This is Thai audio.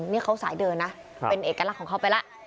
นี่เขาสายเดินนะเป็นเอกลักษณ์ของเขาไปแล้ว